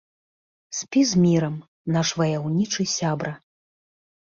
Спі з мірам, наш ваяўнічы сябра!